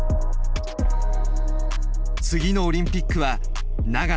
次のオリンピックは長野。